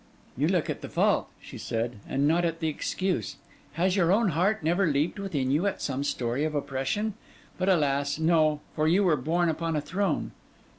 'You look at the fault,' she said, 'and not at the excuse. Has your own heart never leaped within you at some story of oppression? But, alas, no! for you were born upon a throne.